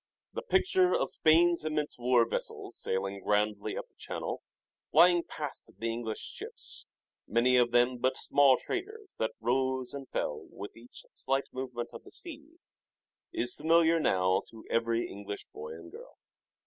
The picture of Spain's immense war vessels sailing grandly up the Channel, flying past the English ships, many of them but small traders that rose and fell with each slight movement of the sea, is familiar now to every English boy and girl.